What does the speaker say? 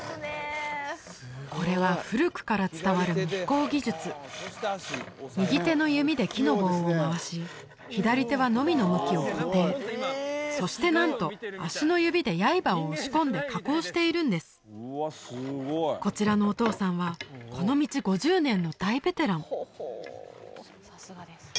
これは古くから伝わる木工技術右手の弓で木の棒を回し左手はのみの向きを固定そしてなんと足の指で刃を押し込んで加工しているんですこちらのお父さんはこの道５０年の大ベテラン！